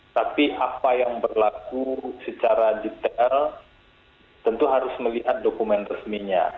tapi apa yang berlaku secara detail tentu harus melihat dokumen resminya